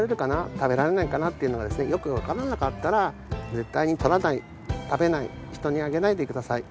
食べられないかな？っていうのがですねよくわからなかったら絶対に採らない食べない人にあげないでください。